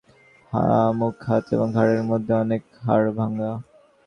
মুখ, হাত এবং ঘাড়ের মধ্যে অনেক হাড় ভাংগা।